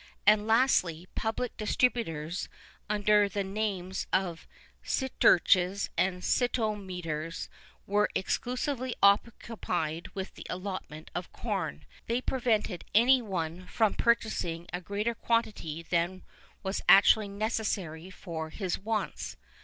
And lastly, public distributors, under the names of siturches and sitometres, were exclusively occupied with the allotment of corn;[II 26] they prevented any one from purchasing a greater quantity than was actually necessary for his wants.